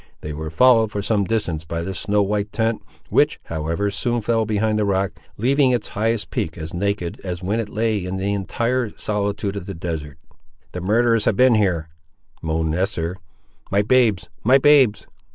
They were followed for some distance by the snow white tent, which, however, soon fell behind the rock, leaving its highest peak as naked as when it lay in the entire solitude of the desert. "The murderers have been here!" moaned Esther. "My babes! my babes!"